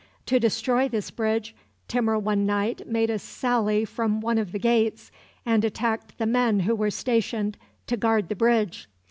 To destroy this bridge, Timur one night made a sally from one of the gates, and attacked the men who were stationed to guard the bridge.